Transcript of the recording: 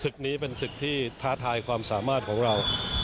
นี้เป็นศึกที่ท้าทายความสามารถของเรา